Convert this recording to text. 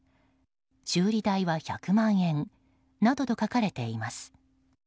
修理代は１００万円などと書かれています。